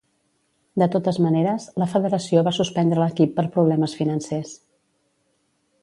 De totes maneres, la federació va suspendre l'equip per problemes financers.